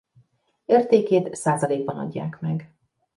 Értékét százalékban adják meg.